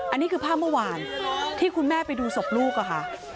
อันนี้คือภาพเมื่อวานที่คุณแม่ไปดูศพลูกค่ะ